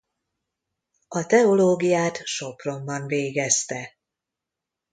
A teológiát Sopronban végezte.